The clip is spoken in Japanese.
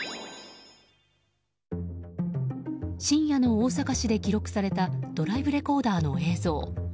深夜の大阪市で記録されたドライブレコーダーの映像。